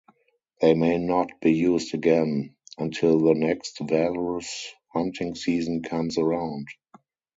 They may not be used again until the next walrus hunting season comes around.